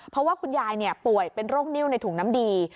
เพราะว่าคุณยายป่วยเป็นโรคนิ้วในถุงน้ำดี